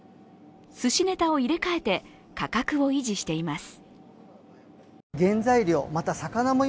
すしネタを入れ替えて価格を維持しています。